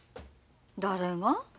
誰が？